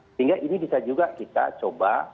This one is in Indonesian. sehingga ini bisa juga kita coba